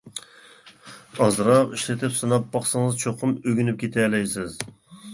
ئازراق ئىشلىتىپ سىناپ باقسىڭىز، چوقۇم ئۆگىنىپ كېتەلەيسىز.